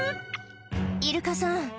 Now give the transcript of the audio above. イルカさん